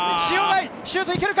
シュートいけるか？